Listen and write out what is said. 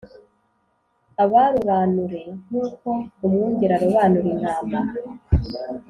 abarobanure nk’uko umwungeri arobanura intama